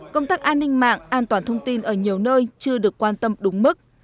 công tác an ninh mạng an toàn thông tin ở nhiều nơi chưa được quan tâm đúng mức